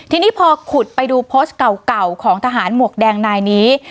ทีนี้พอขุดไปดูโพสต์เก่าของทหารหมวกแดงนายนี้